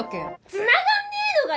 繋がんねえのかよ！